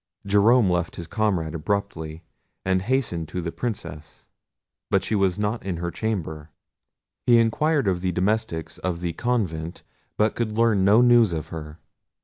Jerome left his comrade abruptly, and hastened to the Princess, but she was not in her chamber. He inquired of the domestics of the convent, but could learn no news of her.